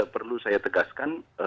perlu saya tegaskan